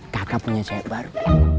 kakak punya cewek baru